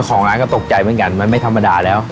ได้ของร้านก็ตกใจบ้างกันมันไม่ธรรมดาแล้ว